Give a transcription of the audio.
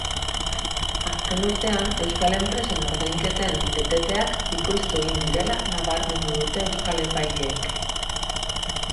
Azken urtean euskal enpresen ordainketen eteteak bikoiztu egin direla nabarmendu dute euskal epaileek.